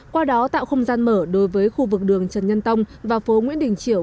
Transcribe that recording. qua đó tạo không gian mở đối với khu vực đường trần nhân tông và phố nguyễn đình triều